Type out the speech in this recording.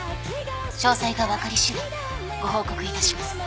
詳細が分かりしだいご報告いたします。